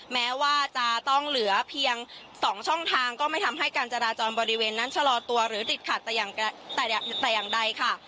แม้ว่าจะต้องเหลือเพียง๒ช่องทางก็ไม่ทำให้การจราจรบริเวณนั้นชะลอตัวหรือติดขัดแต่อย่างใดค่ะ